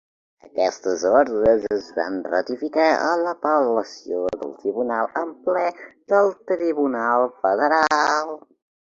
Aquestes ordres es van ratificar a l'apel·lació del Tribunal en ple del Tribunal Federal.